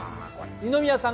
二宮さん